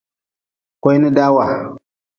Koini dawa.